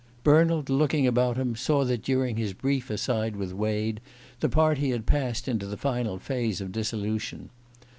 Bernald, looking about him, saw that during his brief aside with Wade the party had passed into the final phase of dissolution.